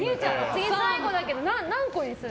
次、最後だけど何個にする？